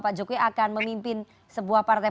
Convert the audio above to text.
pak jokowi akan memimpin sebuah partai